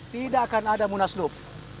tidak akan ada munaslub